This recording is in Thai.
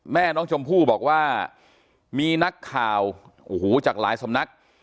แม่น้องชมพู่บอกว่ามีนักข่าวโอ้โหจากหลายสำนัก